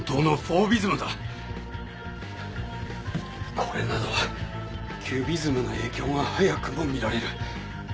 これなどキュビズムの影響が早くも見られる。